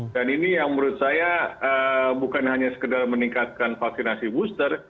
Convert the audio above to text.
dan ini yang menurut saya bukan hanya sekedar meningkatkan vaksinasi booster